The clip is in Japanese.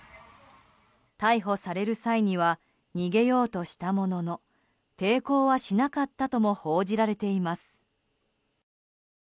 逮捕される際には逃げようとしたものの抵抗はしなかったとも報じられています。